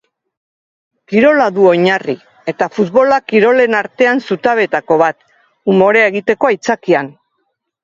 Kirola du oinarri eta futbola kirolen artean zutabeetako bat, umorea egiteko aitzakian.